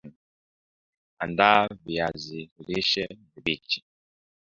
Andaa viazi lishe vibichi